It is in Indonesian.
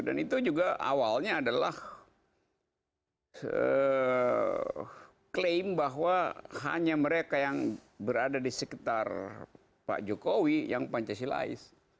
dan itu juga awalnya adalah klaim bahwa hanya mereka yang berada di sekitar pak jokowi yang pancasilais